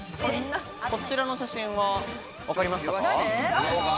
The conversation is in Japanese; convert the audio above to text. こちらの写真は分かりましたか？